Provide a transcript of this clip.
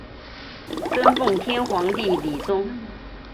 生奉天皇帝李琮。